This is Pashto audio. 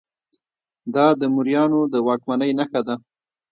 دا د موریانو د واکمنۍ نښه ده